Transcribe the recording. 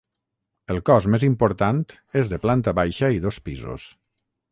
El cos més important és de planta baixa i dos pisos.